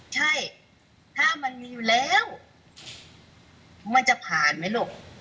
ใช่ถ้ามันมีอยู่แล้วมันจะผ่านไหมลูก